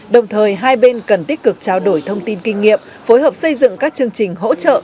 đồng thời hai bên cần tích cực trao đổi thông tin kinh nghiệm phối hợp xây dựng các chương trình hỗ trợ